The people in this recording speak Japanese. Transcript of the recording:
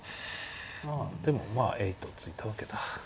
まあでもまあ「えい！」と突いたわけだ。